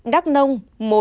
một đắk nông